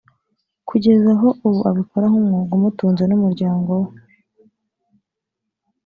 kugeza aho ubu abikora nk’umwuga umutunze n’umuryango we